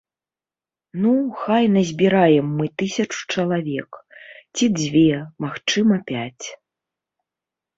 Ну, хай назбіраем мы тысячу чалавек, ці дзве, магчыма пяць.